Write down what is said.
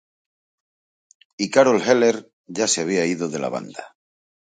Y Carol Heller ya se había ido de la banda.